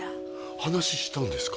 話したんですか？